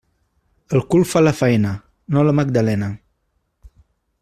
El cul fa la faena, no la Magdalena.